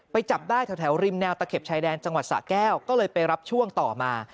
จับได้แถวริมแนวตะเข็บชายแดนจังหวัดสะแก้วก็เลยไปรับช่วงต่อมา